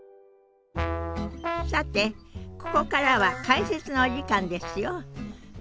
さてここからは解説のお時間ですよ。